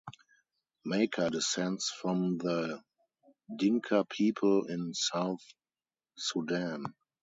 Maker descends from the Dinka people in South Sudan.